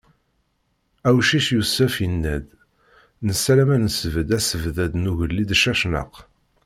Awcic Yusef, yenna-d: "Nessaram ad nesbedd asebddad n ugellid Cacnaq."